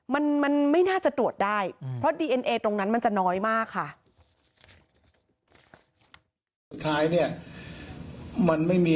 มันมันไม่น่าจะตรวจได้เพราะดีเอ็นเอตรงนั้นมันจะน้อยมากค่ะ